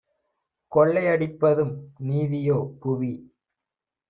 கொள்ளை யடிப்பதும் நீதியோ - புவி